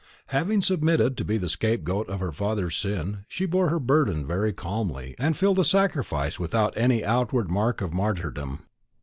Having submitted to be the scapegoat of her father's sin, she bore her burden very calmly, and fulfilled the sacrifice without any outward mark of martyrdom.